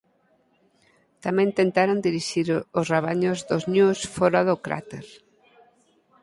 Tamén tentaron dirixir os rabaños dos ñus fóra do cráter.